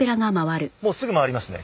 すぐ回りますね。